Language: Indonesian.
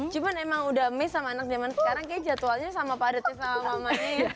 cuman emang udah miss sama anak zaman sekarang kayaknya jadwalnya sama padatnya sama mamanya ya